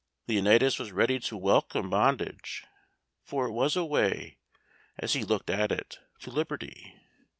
Leonatus was ready to welcome bondage, for it was a way, as he looked at it, to liberty.